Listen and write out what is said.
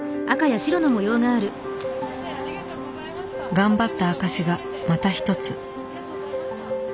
頑張った証しがまた一つ。